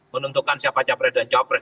menentukan siapa capres dan copres